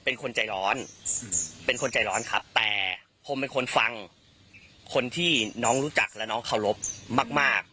เป็นคนใจร้อนเป็นคนใจร้อนครับแต่ผมเป็นคนฟังคนที่น้องรู้จักและน้องเคารพมาก